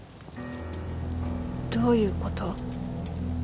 どういうこと？